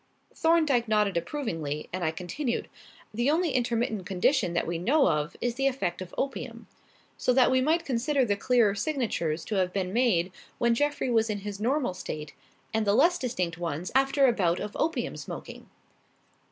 Thorndyke nodded approvingly, and I continued: "The only intermittent condition that we know of is the effect of opium. So that we might consider the clearer signatures to have been made when Jeffrey was in his normal state, and the less distinct ones after a bout of opium smoking."